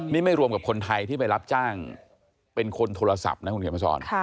นี่ไม่รวมกับคนไทยที่ไปรับจ้างเป็นคนโทรศัพท์นะคุณเขียนมาสอน